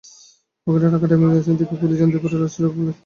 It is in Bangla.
পকেটে রাখা ড্রাইভিং লাইসেন্স থেকে পুলিশ জানতে পারে, লাশটি রকিবুল ইসলামের।